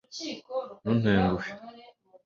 Ntuntenguhe